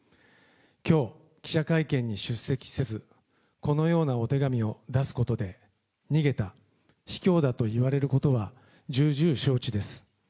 きょう、記者会見に出席せず、このようなお手紙を出すことで、逃げた、卑怯だと言われることは重々承知です。